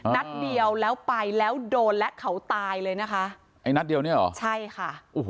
นัดเดียวแล้วไปแล้วโดนและเขาตายเลยนะคะไอ้นัดเดียวเนี่ยเหรอใช่ค่ะโอ้โห